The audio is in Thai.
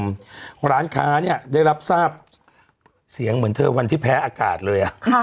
ร้านค้าเนี่ยได้รับทราบเสียงเหมือนเธอวันที่แพ้อากาศเลย